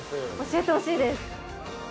教えてほしいです。